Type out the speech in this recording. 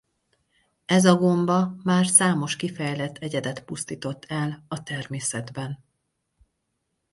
Ez a gomba már számos kifejlett egyedet pusztított el a természetben.